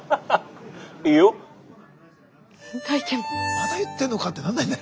まだ言ってんのかってなんないんだね。